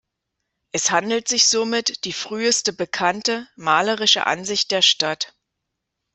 Es handelt sich somit die früheste bekannte, malerische Ansicht der Stadt.